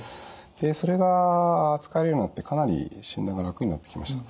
それが扱えるようになってかなり診断が楽になってきました。